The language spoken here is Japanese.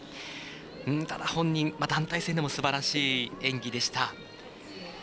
ただ本人、団体戦でもすばらしい演技でした。